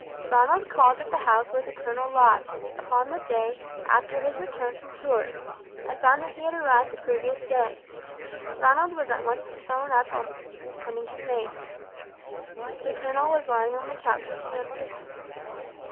Ronald called at the house where the colonel lodged, upon the day after his return from Tours, and found that he had arrived upon the previous day. Ronald was at once shown up on sending in his name. The colonel was lying on the couch when he entered.